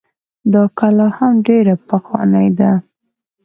دا کلا هم ډيره پخوانۍ ده